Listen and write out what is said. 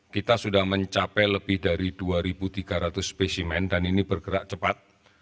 kita sudah mencapai lebih dari dua tiga ratus spesimen dan ini bergerak cepat